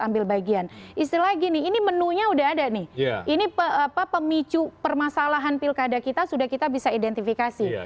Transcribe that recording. ambil bagian istilah gini ini menunya udah ada nih ini apa pemicu permasalahan pilkada kita sudah kita bisa identifikasi